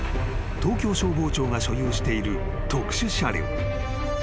［東京消防庁が所有している特殊車両］